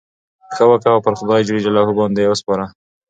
ښه وکه! او پر خدای جل جلاله باندي ئې وسپاره.